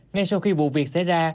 ngay sau khi vụ việc xảy ra